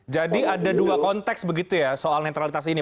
jadi ada dua konteks begitu ya soal netralitas ini